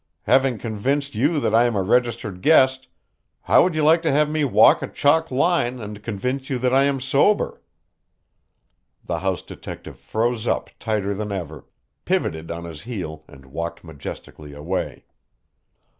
Having convinced you that I am a registered guest, how would you like to have me walk a chalk line and convince you that I am sober?" The house detective froze up tighter than ever, pivoted on his heel and walked majestically away.